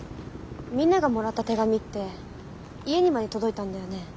みんながもらった手紙って家にまで届いたんだよね？